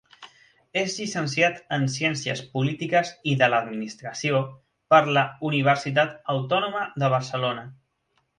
És llicenciat en Ciències Polítiques i de l'Administració per la Universitat Autònoma de Barcelona.